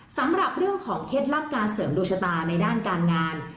สำหรับเรื่องของเคล็ดลับการเสริมดวงชะตาในด้านการงาน